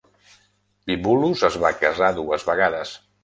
Bibulus es va casar dues vegades.